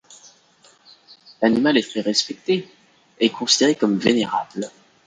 L'animal est très respecté et considéré comme vénérable.